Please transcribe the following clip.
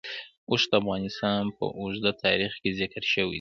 اوښ د افغانستان په اوږده تاریخ کې ذکر شوی دی.